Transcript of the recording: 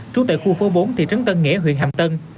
trú tại khu phố bốn thị trấn tân nghĩa huyện hàm tân